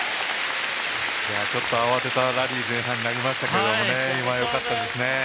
ちょっと慌てたラリーに前半はなりましたけど今、良かったですね。